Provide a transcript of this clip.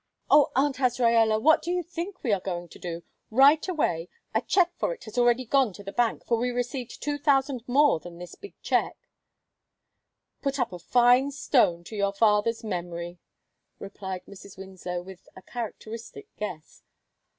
"Oh, Aunt Azraella, what do you think we are going to do? Right away a check for it has already gone to the bank, for we received two thousand more than this big check." "Put up a fine stone to your father's memory," replied Mrs. Winslow, with a characteristic guess.